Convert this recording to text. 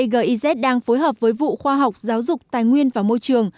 giz đang phối hợp với vụ khoa học giáo dục tài nguyên và môi trường